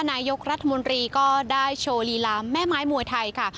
นายกรัฐมนตรีก็ได้โชว์ลีลาแม่ไม้มวยไทยค่ะ